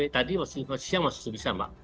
tadi masih siang masih bisa mbak